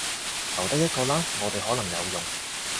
留低一個啦，我哋可能有用